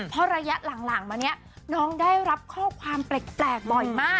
เพราะระยะหลังมาเนี่ยน้องได้รับข้อความแปลกบ่อยมาก